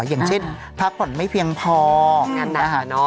อย่างเช่นพักผ่อนไม่เพียงพองั้นนะคะ